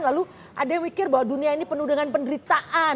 lalu ada yang mikir bahwa dunia ini penuh dengan penderitaan